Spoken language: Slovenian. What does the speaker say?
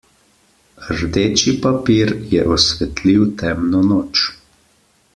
Rdeči papir je osvetlil temno noč.